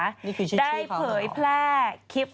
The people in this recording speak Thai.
นี่คือชื่อชื่อเขาหรอได้เผยแพร่คลิป